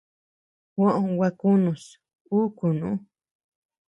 Juó gua kunus, un kunú.